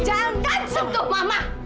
jangan sentuh mama